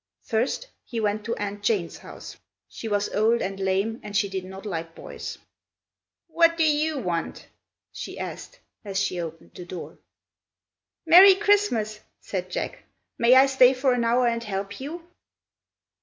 First, he went to Aunt Jane's house. She was old and lame and she did not like boys. "What do you want?" she asked as she opened the door. "Merry Christmas!" said Jack. "May I stay for an hour and help you?"